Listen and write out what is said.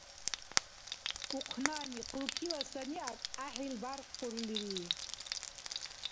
Ухънани хъулкила санигӀят гӀяхӀил бяркъурлири.